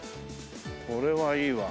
これはいいわ。